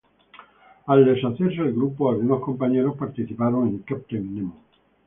Al deshacerse el grupo, algunos compañeros participaron en Captain Nemo.